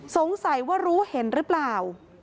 สงสัยว่ารู้เห็นหรือเปล่า